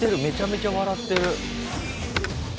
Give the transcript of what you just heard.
めちゃめちゃ笑ってる。